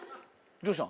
どうしたん？